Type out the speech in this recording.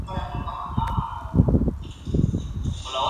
Me explico, ese álbum de ella fue increíble.